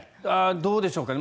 どうでしょうかね。